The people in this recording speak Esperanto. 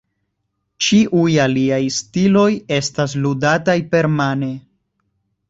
Ĉiuj aliaj stiloj estas ludataj permane.